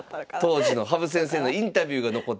当時の羽生先生のインタビューが残っております。